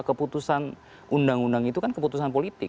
keputusan undang undang itu kan keputusan politik